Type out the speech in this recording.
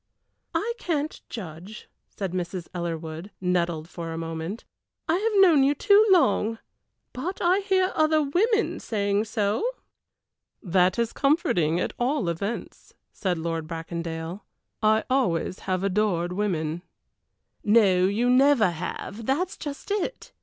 "I can't judge," said Mrs. Ellerwood, nettled for a moment. "I have known you too long, but I hear other women saying so." "That is comforting, at all events," said Lord Bracondale. "I always have adored women." "No, you never have, that is just it.